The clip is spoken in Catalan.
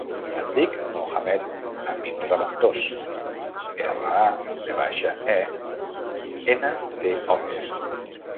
Em dic Mohamed amin Raventos: erra, a, ve baixa, e, ena, te, o, essa.